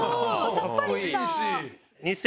さっぱりした。